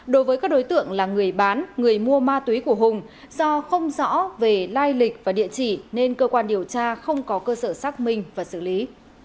đối với các đối tượng là người bán người mua ma túy của hùng do không rõ về lai lịch và địa chỉ nên cơ quan điều tra không có cơ sở xác minh và xử lý